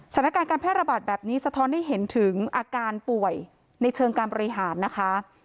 สถานการณ์การแพร่ระบาดแบบนี้สะท้อนให้เห็นถึงอาการป่วยในเชิงการบริหารนะคะ